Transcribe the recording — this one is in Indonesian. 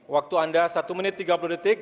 waktu anda satu menit tiga puluh detik